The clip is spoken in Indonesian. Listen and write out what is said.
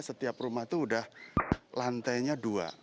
setiap rumah itu sudah lantainya dua